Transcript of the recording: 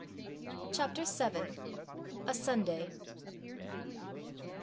CHAPTER VII. A SUNDAY.